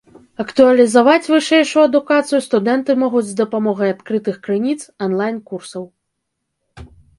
Актуалізаваць вышэйшую адукацыю студэнты могуць з дапамогай адкрытых крыніц, онлайн-курсаў.